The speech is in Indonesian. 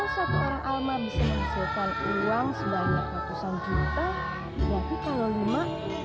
kau seorang alman bisa menghasilkan uang sebanyak ratusan juta